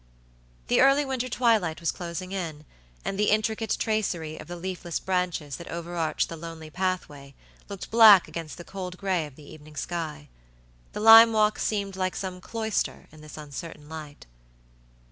The early winter twilight was closing in, and the intricate tracery of the leafless branches that overarched the lonely pathway looked black against the cold gray of the evening sky. The lime walk seemed like some cloister in this uncertain light.